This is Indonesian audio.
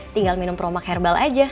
tinggal minum promak herbal aja